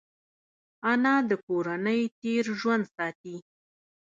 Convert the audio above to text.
انا د کورنۍ تېر ژوند ساتي